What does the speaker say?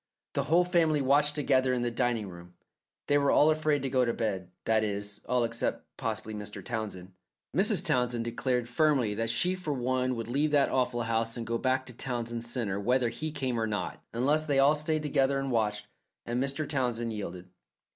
The whole family watched together in the dining room. They were all afraid to go to bed that is, all except possibly Mr. Townsend. Mrs. Townsend declared firmly that she for one would leave that awful house and go back to Townsend Centre whether he came or not, unless they all stayed together and watched, and Mr. Townsend yielded.